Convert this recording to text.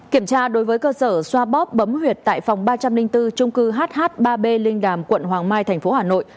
kiểm tra đối với cơ sở xoa bóp bấm huyệt tại phòng ba trăm linh bốn trung cư hh ba b linh đàm quận hoàng mai tp hà nội